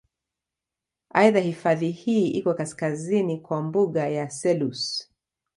Aidha hifadhi hii iko kaskazini kwa mbuga ya Selous